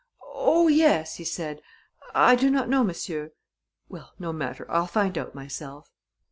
"Oh, yes," he said. "I do not know, monsieur." "Well, no matter. I'll find out myself."